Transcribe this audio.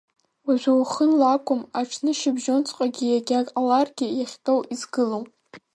Уажәы уахынла акәым, аҽнышьыбжьонҵәҟьагьы иагьа ҟаларгьы, иахьтәоу изгылом.